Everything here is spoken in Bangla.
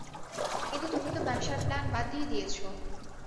কিন্তু তুমি তো ব্যবসার প্লান বাদ দিয়ে দিয়েছ।